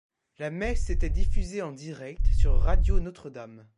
La messe était diffusée en direct sur Radio Notre Dame.